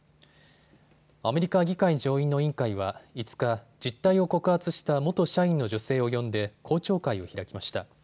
アメリカ議会上院の委員会は５日、実態を告発した元社員の女性を呼んで公聴会を開きました。